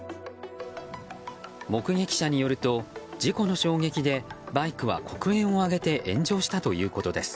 目撃者によると、事故の衝撃でバイクは黒煙を上げて炎上したということです。